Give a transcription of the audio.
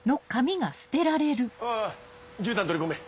あじゅうたん取り込め。